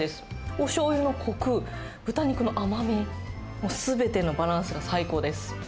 おしょうゆのこく、豚肉の甘み、すべてのバランスが最高です。